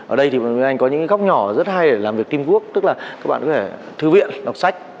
ở đây thì bên anh có những góc nhỏ rất hay để làm việc team work tức là các bạn có thể thư viện đọc sách